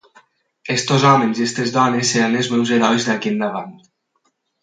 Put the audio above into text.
Aquests homes i aquestes dones seran els meus herois d'aquí endavant.»